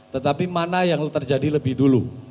tetapi mana yang terjadi lebih dulu